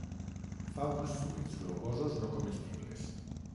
Fa uns fruits globosos no comestibles.